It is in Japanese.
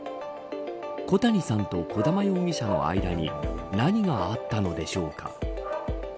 小谷さんと児玉容疑者の間に何があったのでしょうか。